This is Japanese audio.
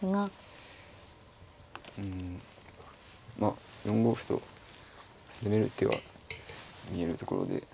うんまあ４五歩と攻める手は見えるところで。